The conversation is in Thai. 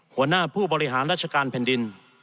หัวหน้าผู้บริหารราชการแผ่นดิน